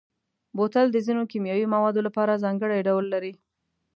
بوتل د ځینو کیمیاوي موادو لپاره ځانګړی ډول لري.